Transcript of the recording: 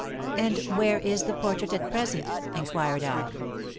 'And where is the portrait at present?' inquired I.